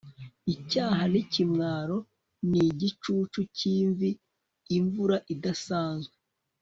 icyaha n'ikimwaro ni igicucu cy'imvi, imvura idasanzwe